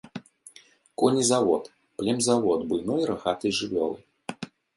Конезавод, племзавод буйной рагатай жывёлы.